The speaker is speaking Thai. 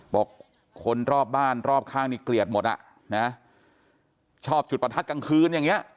บอกคนรอบบ้านรอบข้างนี่เกลียดหมดอ่ะนะชอบจุดประทัดกลางคืนอย่างเงี้ย